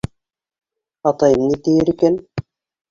Атайым ни тиер икән.